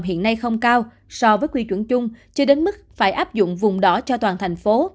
hiện nay không cao so với quy chuẩn chung chưa đến mức phải áp dụng vùng đỏ cho toàn thành phố